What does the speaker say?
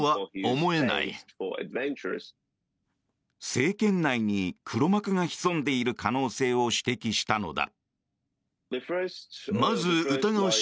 政権内に黒幕が潜んでいる可能性を指摘したのだ。